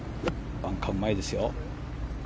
バンカーうまいですよ。